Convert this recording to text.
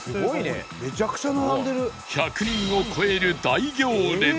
１００人を超える大行列